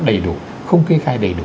đầy đủ không kê khai đầy đủ